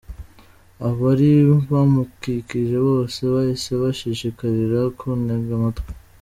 Abari bamukikije bose bahise bashishikarira kuntega amatwi.